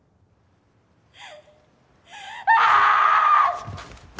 ああ！